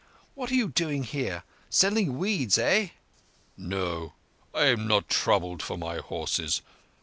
"What are you doing here? Selling weeds—eh?" "No; I am not troubled for my horses.